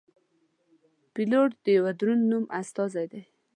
پیلوټ د یوه دروند نوم استازی دی.